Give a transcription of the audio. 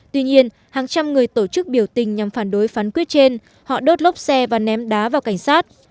tuy nhiên hàng trăm người tổ chức biểu tình nhằm phản đối phán quyết trên họ đốt lốp xe và ném đá vào cảnh sát